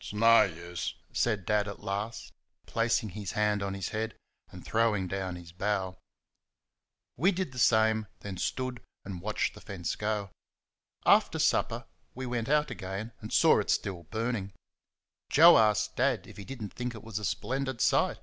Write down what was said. "It's no use," said Dad at last, placing his hand on his head, and throwing down his bough. We did the same, then stood and watched the fence go. After supper we went out again and saw it still burning. Joe asked Dad if he did n't think it was a splendid sight?